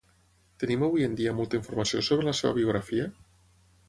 Tenim avui en dia molta informació sobre la seva biografia?